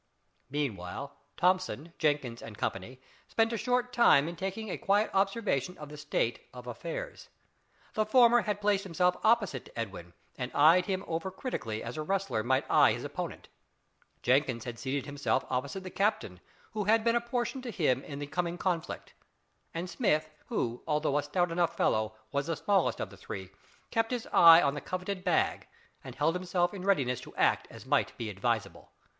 Meanwhile Thomson, Jenkins and Company spent a short time in taking a quiet observation of the state of affairs. The former had placed himself opposite to Edwin and eyed him over critically as a wrestler might eye his opponent; Jenkins had seated himself opposite the captain, who had been apportioned to him in the coming conflict, and Smith, who, although a stout enough fellow, was the smallest of the three, kept his eye on the coveted bag, and held himself in readiness to act as might be advisable.